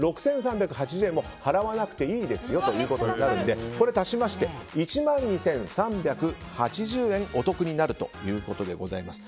この６３８０円も払わなくていいですよということになるので足しまして１万２３８０円お得になるということです。